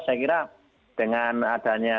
saya kira dengan adanya